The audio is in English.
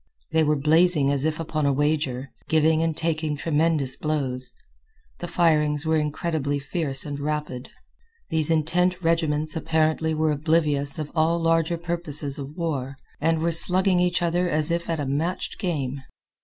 They were blazing as if upon a wager, giving and taking tremendous blows. The firings were incredibly fierce and rapid. These intent regiments apparently were oblivious of all larger purposes of war, and were slugging each other as if at a matched game.